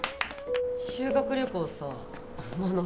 ・修学旅行さ真野